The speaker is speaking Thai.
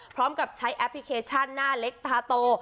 พร้อมกับใช้แอปพลิเคชันหน้าเล็กตาโต